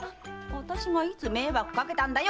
あたしがいつ迷惑かけたんだよ？